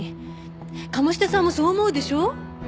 鴨志田さんもそう思うでしょ？